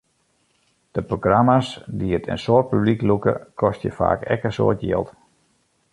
De programma's dy't in soad publyk lûke, kostje faak ek in soad jild.